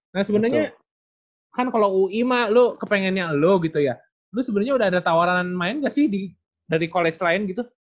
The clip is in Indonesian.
nah sebenarnya kan kalau ui mah lu kepengennya lo gitu ya lu sebenarnya udah ada tawaran main gak sih dari koleksi lain gitu